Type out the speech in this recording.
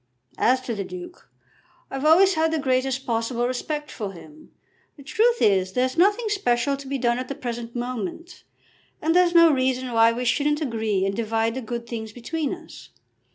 As to the Duke, I've always had the greatest possible respect for him. The truth is, there's nothing special to be done at the present moment, and there's no reason why we shouldn't agree and divide the good things between us.